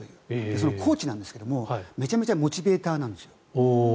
そのコーチなんですがめちゃめちゃモチベーターなんです。